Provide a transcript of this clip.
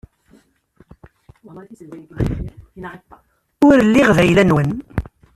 Ur lliɣ d ayla-nwen.